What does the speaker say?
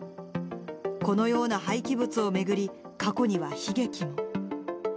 このような廃棄物を巡り、過去には悲劇も。